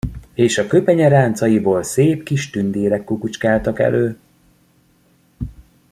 És a köpenye ráncaiból szép kis tündérek kukucskáltak elő!